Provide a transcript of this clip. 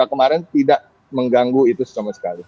kemarin tidak mengganggu itu sama sekali